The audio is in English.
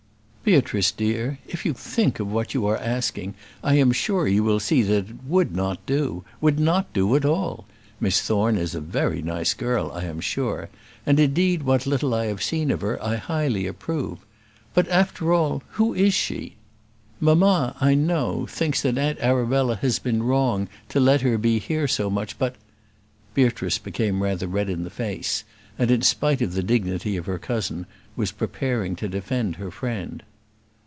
"Beatrice, dear, if you think of what you are asking, I am sure you will see that it would not do; would not do at all. Miss Thorne is a very nice girl, I am sure; and, indeed, what little I have seen of her I highly approve. But, after all, who is she? Mamma, I know, thinks that Aunt Arabella has been wrong to let her be here so much, but " Beatrice became rather red in the face, and, in spite of the dignity of her cousin, was preparing to defend her friend.